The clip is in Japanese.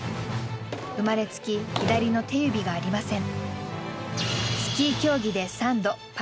生まれつき左の手指がありません。